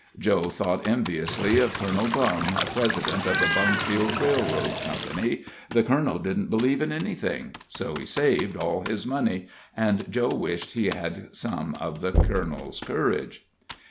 Joe thought enviously of Colonel Bung, President of the Bungfield Railroad Co. the Colonel didn't believe in anything; so he saved all his money, and Joe wished he had some of the Colonel's courage.